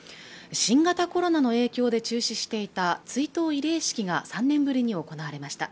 新型コロナの影響で中止していた追悼慰霊式が３年ぶりに行われました